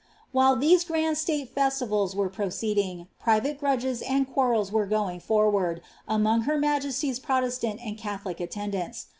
While these grand stale festivals were proceeding, private grudges and quarrels were going forward, among her niajeilv's Protestant and Caiho lic attendants.